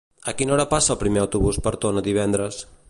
A quina hora passa el primer autobús per Tona divendres?